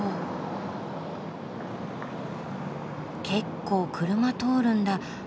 結構車通るんだ。